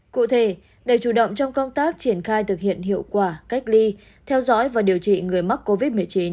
cụ thể để chủ động trong công tác triển khai thực hiện hiệu quả cách ly theo dõi và điều trị người mắc covid một mươi chín